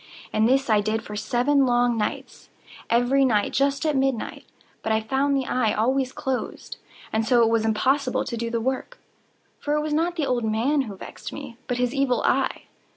And this I did for seven long nights—every night just at midnight—but I found the eye always closed; and so it was impossible to do the work; for it was not the old man who vexed me, but his Evil Eye.